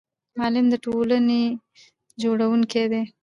معلم د ټولنې جوړونکی دی